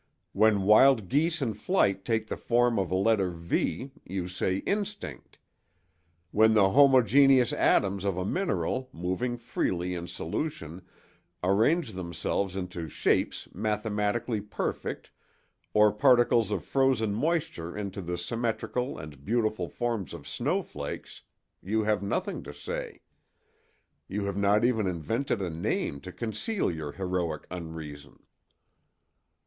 When wild geese in flight take the form of a letter V you say instinct. When the homogeneous atoms of a mineral, moving freely in solution, arrange themselves into shapes mathematically perfect, or particles of frozen moisture into the symmetrical and beautiful forms of snowflakes, you have nothing to say. You have not even invented a name to conceal your heroic unreason."